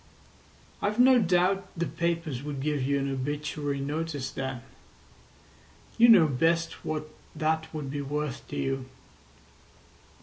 "I've no doubt the papers would give you an obituary notice then. You know best what that would be worth to you.